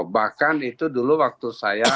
bahkan itu dulu waktu saya